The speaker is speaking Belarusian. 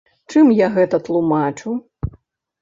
Чым я гэта тлумачу?